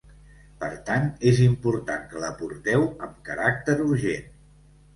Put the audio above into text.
Per tant, és important que l'aporteu amb caràcter urgent.